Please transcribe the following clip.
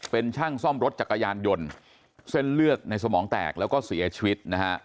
เป็นช่างซ่อมรถจักรยานยนต์เส้นเลือดในสมองแตกแล้วก็เสียชีวิตนะฮะ